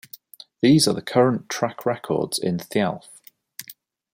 These are the current track records in Thialf.